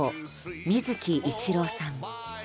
水木一郎さん。